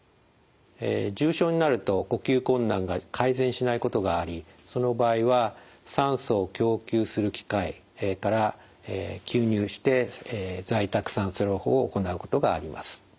重症になると呼吸困難が改善しないことがありその場合は酸素を供給する機械から吸入して在宅酸素療法を行うことがあります。